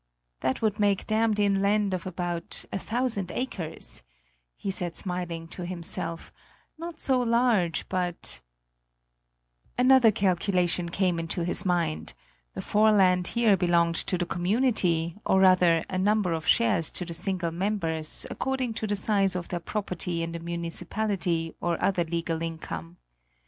"That would make dammed in land of about a thousand acres," he said smiling to himself; "not so large; but " Another calculation came into his mind: the foreland here belonged to the community, or rather, a number of shares to the single members, according to the size of their property in the municipality or other legal income.